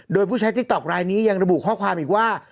โดยผู้ใช้ติ๊กต๊อกรายนี้ยังระบุข้อความอีกว่า